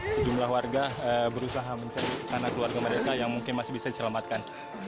sejumlah warga berusaha mencari anak keluarga mereka yang mungkin masih bisa diselamatkan